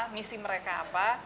misi mereka apa